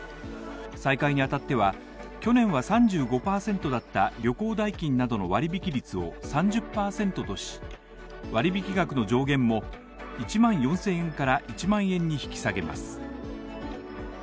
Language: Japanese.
再開にあたっては、去年は３５％だった旅行代金などの割引率を３０％とし、割引額の上限も１万４０００円から１万円に引き下げます。